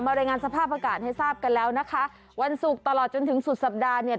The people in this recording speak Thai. รายงานสภาพอากาศให้ทราบกันแล้วนะคะวันศุกร์ตลอดจนถึงสุดสัปดาห์เนี่ย